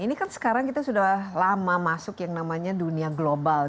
ini kan sekarang kita sudah lama masuk yang namanya dunia global